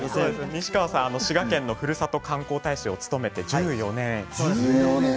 西川さんは滋賀県のふるさと観光大使を務めて１４年です。